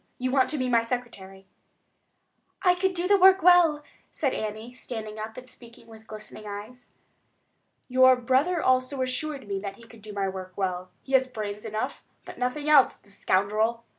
You want to be my secretary?" "I could do the work well," said Annie, standing up and speaking with glistening eyes. "Your brother also assured me that he could do my work well. He had brains enough, but nothing else, the scoundrel!"